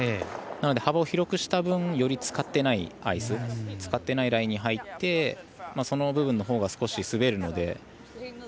なので幅を広くした分より使っていないラインに入ってその部分のほうが滑るので。